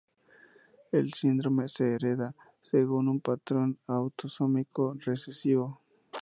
El síndrome se hereda según un patrón autosómico recesivo.